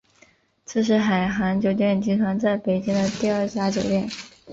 这是海航酒店集团在北京的第二家酒店。